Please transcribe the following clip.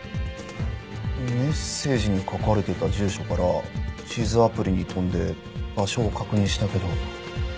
メッセージに書かれてた住所から地図アプリに飛んで場所を確認したけど。